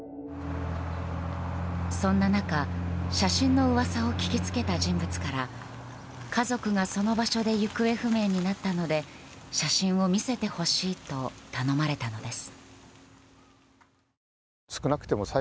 そんな中、写真の噂を聞きつけた人物から家族がその場所で行方不明になったので写真を見せてほしいと頼まれたのです。